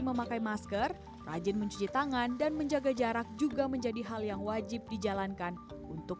memakai masker rajin mencuci tangan dan menjaga jarak juga menjadi hal yang wajib dijalankan untuk